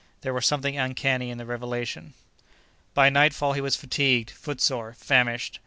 There was something uncanny in the revelation. By nightfall he was fatigued, footsore, famished.